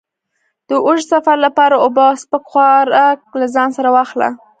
د اوږد سفر لپاره اوبه او سپک خوراک له ځان سره واخله.